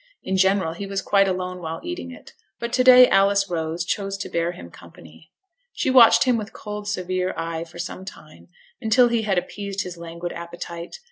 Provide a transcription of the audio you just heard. In general he was quite alone while eating it; but to day Alice Rose chose to bear him company. She watched him with cold severe eye for some time, until he had appeased his languid appetite.